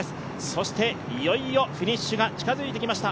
そしていよいよフィニッシュが近づいてきました。